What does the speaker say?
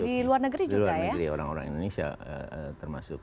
di luar negeri orang orang indonesia termasuk